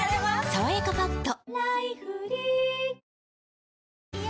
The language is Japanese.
「さわやかパッド」